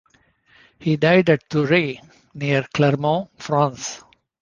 He died at Thury, near Clermont, France.